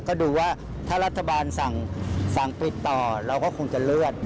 ก็ดูว่าถ้ารัฐบาลสั่งปิดต่อเราก็คงจะเลื่อน